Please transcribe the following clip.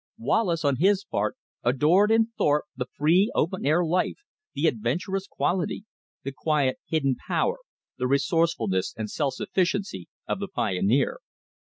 Wallace, on his part, adored in Thorpe the free, open air life, the adventurous quality, the quiet hidden power, the resourcefulness and self sufficiency of the pioneer.